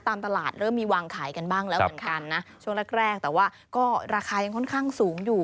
ตามตลาดเริ่มมีวางขายกันบ้างแล้วเหมือนกันนะช่วงแรกแรกแต่ว่าก็ราคายังค่อนข้างสูงอยู่